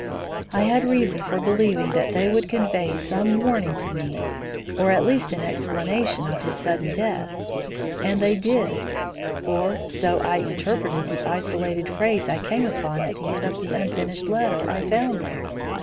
I had reason for believing that they would convey some warning to me or at least an explanation of his sudden death. And they did, or so I interpreted the isolated phrase I came upon at the end of the unfinished letter I found there.